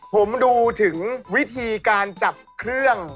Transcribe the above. ผมดูถึงวิธีการจับเครื่อง